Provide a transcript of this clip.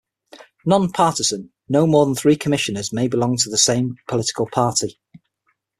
Non-partisan, no more than three Commissioners may belong to the same political party.